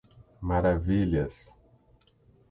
Maravilhas